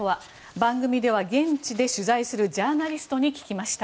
番組では現地で取材するジャーナリストに聞きました。